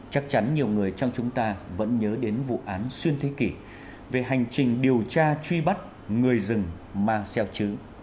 chắc chắn nhiều người trong chúng ta vẫn nhớ đến vụ án xuyên thế kỷ về hành trình điều tra truy bắt người rừng mang xeo chứ